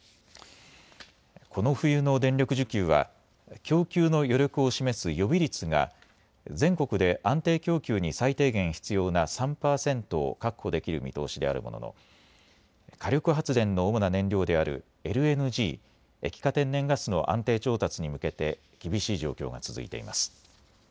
この冬の電力需給は供給の余力を示す予備率が全国で安定供給に最低限必要な３％を確保できる見通しであるものの火力発電の主な燃料であるＬＮＧ・液化天然ガスの安定調達に向けて厳しい状況が続いています。